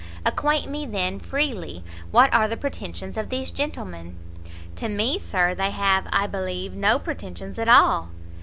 Acquaint me, then, freely, what are the pretensions of these gentlemen?" "To me, Sir, they have, I believe, no pretensions at all."